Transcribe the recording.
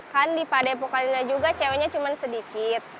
kan di padai pokalnya juga ceweknya cuma sedikit